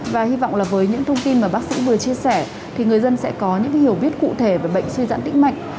và hy vọng là với những thông tin mà bác sĩ vừa chia sẻ thì người dân sẽ có những hiểu biết cụ thể về bệnh suy giãn tĩnh mạnh